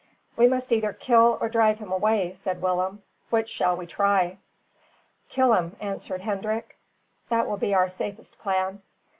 "We must either kill or drive him away," said Willem. "Which shall we try?" "Kill him," answered Hendrik; "that will be our safest plan."